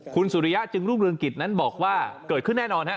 คุณสุริยะจึงรุ่งเรืองกิจนั้นบอกว่าเกิดขึ้นแน่นอนฮะ